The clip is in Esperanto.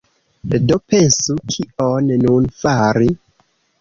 Do pensu, kion nun fari.